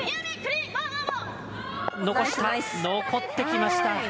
残ってきました。